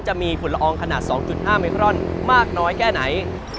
จะมีฝุ่นละอองขนาด๒๕มิครอนมากน้อยแค่ไหน